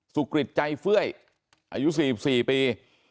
ศึกฤตใจเฟื่อยอายุสี่ปี